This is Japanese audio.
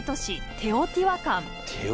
テオティワカン。